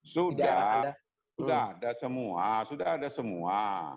sudah sudah ada semua sudah ada semua